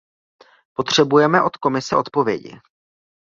Potřebujeme od Komise odpovědi.